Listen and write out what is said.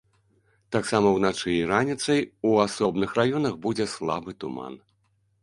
Таксама ўначы і раніцай у асобных раёнах будзе слабы туман.